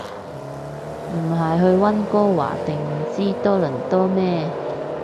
唔係去溫哥華定唔知多倫多咩